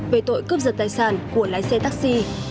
về tội cướp giật tài sản của lái xe taxi